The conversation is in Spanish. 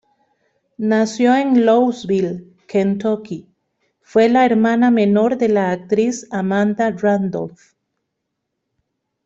Nació en Louisville, Kentucky, fue la hermana menor de la actriz Amanda Randolph.